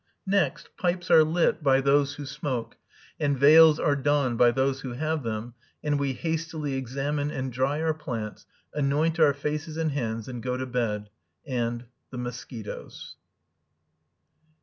Next, pipes are lit by those who smoke, and veils are donned by those who have them, and we hastily examine and dry our plants, anoint our faces and hands, and go to bed and the mosquitoes.